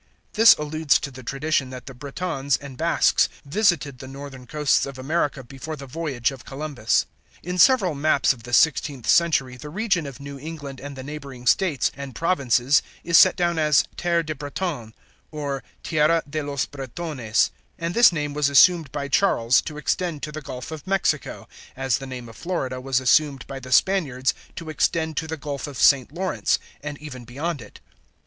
This alludes to the tradition that the Bretons and Basques visited the northern coasts of America before the voyage of Columbus. In several maps of the sixteenth century the region of New England and the neighboring states and provinces is set down as Terre des Bretons, or Tierra de los Bretones, and this name was assumed by Charles to extend to the Gulf of Mexico, as the name of Florida was assumed by the Spaniards to extend to the Gulf of St. Lawrence, and even beyond it.